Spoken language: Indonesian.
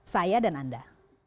saya dan anda